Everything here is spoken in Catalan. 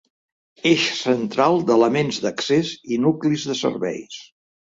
Eix central d'elements d'accés i nuclis de serveis.